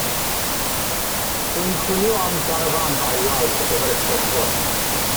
Rwy'n chwilio am garafán ail-law ar gyfer y Steddfod.